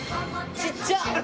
ちっちゃ！